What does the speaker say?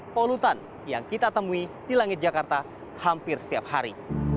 polutan yang kita temui di langit jakarta hampir setiap hari